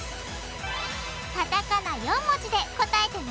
カタカナ４文字で答えてね！